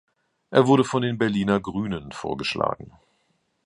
Er wurde von den Berliner Grünen vorgeschlagen.